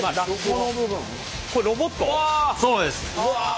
そうです。